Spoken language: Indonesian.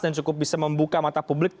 dan cukup bisa membuka mata publik